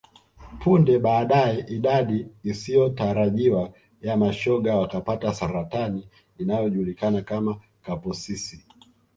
Punde baadae idadi isiyotarajiwa ya mashoga wakapata saratani inayojulikana kama Kaposis